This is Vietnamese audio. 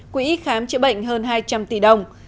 quỹ khám chữa bệnh hơn hai trăm linh tỷ đồng